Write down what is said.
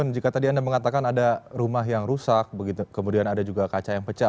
jika tadi anda mengatakan ada rumah yang rusak kemudian ada juga kaca yang pecah